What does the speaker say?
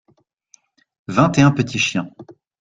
Vingt et un petits chiens.